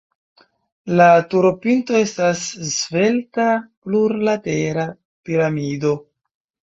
La turopinto estas svelta plurlatera piramido.